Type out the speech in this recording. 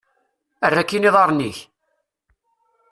Err akkin iḍarren-ik!